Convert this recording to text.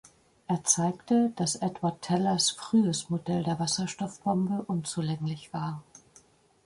Er zeigte, dass Edward Tellers frühes Modell der Wasserstoffbombe unzulänglich war.